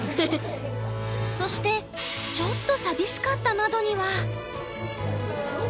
そしてちょっと寂しかった窓には。